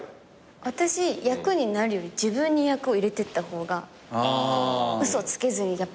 私役になるより自分に役を入れてった方が嘘つけずにやっぱできる。